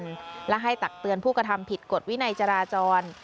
การประชาชนและให้ตักเตือนผู้กระทำผิดกฎวินัยจราจร